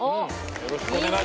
よろしくお願いします。